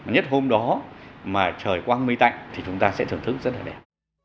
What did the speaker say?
nhất hôm đó mà trời quang mây tạnh thì chúng ta sẽ thưởng thức rất là đẹp